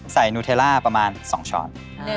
ใส่นูเทลลาประมาณสองช้อน